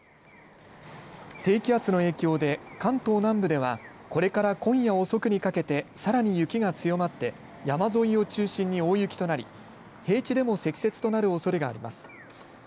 低気圧の影響で関東南部ではこれから今夜遅くにかけてさらに雪が強まって山沿いを中心に大雪となり平地でも積雪となるおそれがあります。